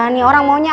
nih orang maunya